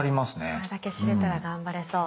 これだけ知れたら頑張れそう。